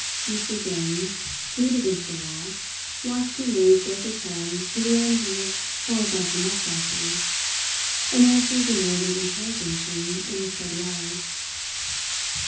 Mr. Jones, glued against the wall, watched him raise both his hands to the ends of his horizontal moustaches, and answered the note of interrogation in his steady eyes.